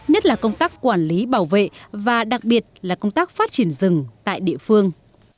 nhất là công tác quản lý bảo vệ và đặc biệt là công tác phát triển rừng tại địa phương